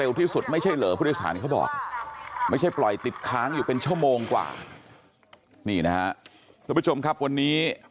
นี่นะครับสวัสดีคุณผู้ชมครับวันนี้